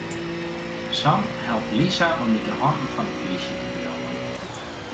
Sam helpt Lisa om út 'e hannen fan de plysje te bliuwen.